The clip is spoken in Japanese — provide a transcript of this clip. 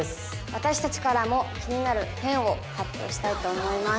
私達からも気になる「変」を発表したいと思います